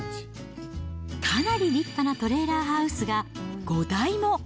かなり立派なトレーラーハウスが５台も。